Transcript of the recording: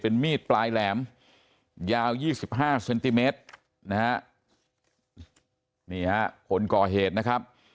เป็นมีดปลายแหลมยาว๒๕เซนติเมตรคนก่อเหตุนะครับ